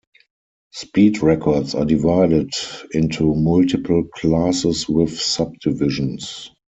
Speed records are divided into multiple classes with sub-divisions.